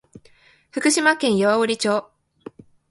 福島県桑折町